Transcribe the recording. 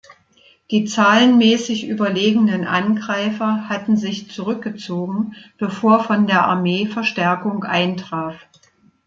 Die zahlenmäßig überlegenen Angreifer hatten sich zurückgezogen, bevor von der Armee Verstärkung eintraf.